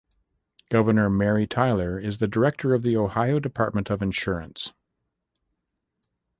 Governor Mary Taylor is the director of the Ohio Department of Insurance.